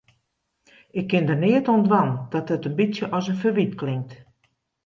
Ik kin der neat oan dwaan dat it in bytsje as in ferwyt klinkt.